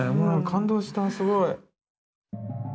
感動したすごい。